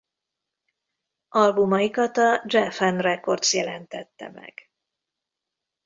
Albumaikat a Geffen Records jelentette meg.